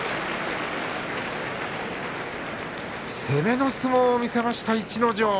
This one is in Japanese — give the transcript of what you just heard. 攻めの相撲を見せました逸ノ城。